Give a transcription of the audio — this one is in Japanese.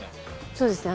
そうですね